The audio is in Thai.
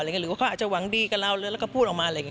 หรือว่าเขาอาจจะหวังดีกับเราเลยแล้วก็พูดออกมาอะไรอย่างนี้